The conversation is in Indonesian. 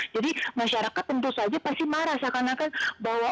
jadi masyarakat tentu saja pasti marah seakan akan bahwa